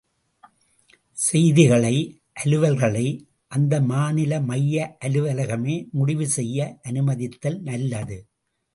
செய்திகளை, அலுவல்களை அந்த மாநில மைய அலுவலகமே முடிவு செய்ய அனுமதித்தல் நல்லது.